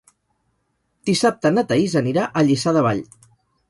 Dissabte na Thaís anirà a Lliçà de Vall.